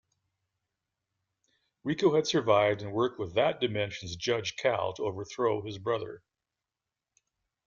Rico had survived and worked with that dimension's Judge Cal to overthrow his brother.